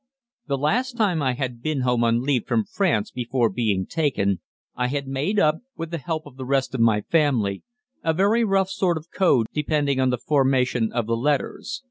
The last time I had been home on leave from France before being taken, I had made up, with the help of the rest of my family, a very rough sort of code depending on the formation of the letters.